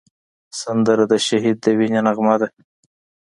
سندره د شهید د وینې نغمه ده